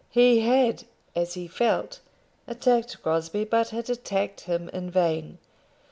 He had, as he felt, attacked Crosbie, but had attacked him in vain.